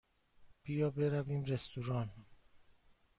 بیا برویم رستوران.